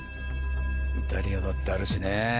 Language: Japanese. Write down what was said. イタリアだってあるしね。